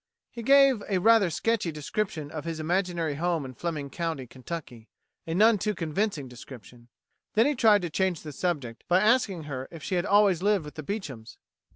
He gave a rather sketchy description of his imaginary home in Fleming County, Kentucky a none too convincing description. Then he tried to change the subject by asking her if she had always lived with the Beechams.